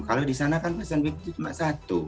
kalau di sana kan fashion week itu cuma satu